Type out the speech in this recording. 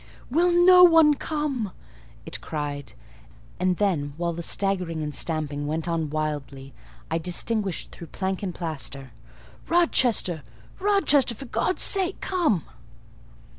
"Will no one come?" it cried; and then, while the staggering and stamping went on wildly, I distinguished through plank and plaster:— "Rochester! Rochester! for God's sake, come!"